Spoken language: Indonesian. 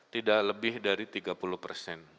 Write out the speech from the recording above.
tidak lebih dari tiga puluh persen